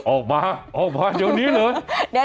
ออกมาออกมาอยู่นี้หรือ